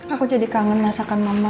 aku jadi kangen masakan mama